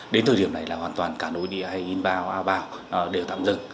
đến thời điểm này là hoàn toàn cả nội địa hay inbound outbound đều tạm dừng